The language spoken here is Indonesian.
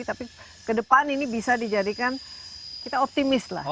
tapi ke depan ini bisa dijadikan kita optimis lah